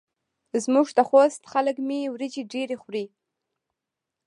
زموږ د خوست خلک مۍ وریژې ډېرې خوري.